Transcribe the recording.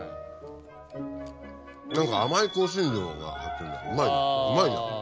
何か甘い香辛料が入ってるなうまいなうまいじゃん。